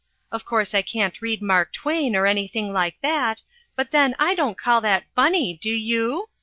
Of course I can't read Mark Twain, or anything like that, but then I don't call that funny, do you?"